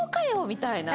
みたいな。